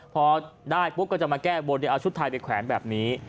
พอได้ปุ๊บก็จะมาแก้บนเอาชุดไทยไปแขวนแบบนี้